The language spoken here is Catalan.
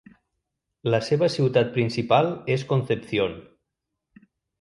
La seva ciutat principal és Concepción.